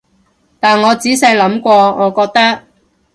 但我仔細諗過，我覺得